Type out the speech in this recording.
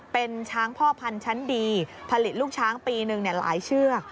เป็นช้างพ่อพันธุ์ชั้นดีผลิตลูกช้างปีหนึ่งหลายเชือก